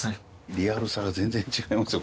リアルさが全然違いますよ